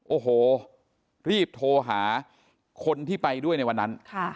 โอ้โหรีบโทรหาคนที่ไปด้วยในวันนั้น